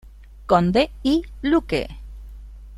Conde y Luque.